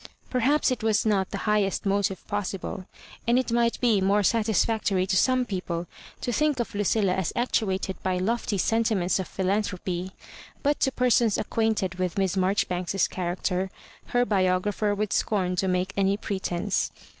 '' Perhaps it was not the highest motive possible, and it might be more satisfactory to 9ome people to think of Lucilla as actuated by lofty sentiments of philanthropy ; but to persons acquainted with Miss Marjori banks's character, her biographer would scorn to make any pretence.